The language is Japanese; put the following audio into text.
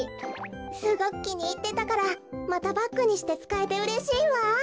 すごくきにいってたからまたバッグにしてつかえてうれしいわ！